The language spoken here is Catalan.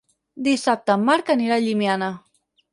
Dissabte en Marc anirà a Llimiana.